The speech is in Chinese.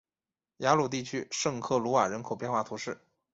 雅雷地区圣克鲁瓦人口变化图示